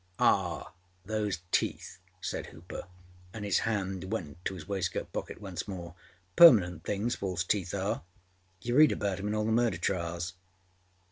â âAh, those teeth,â said Hooper, and his hand went to his waistcoat pocket once more. âPermanent things false teeth are. You read about âem in all the murder trials.